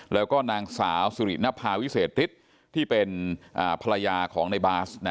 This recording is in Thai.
แล้วก็นางสาวสุรินภาวิเศษฤทธิ์ที่เป็นภรรยาของในบาส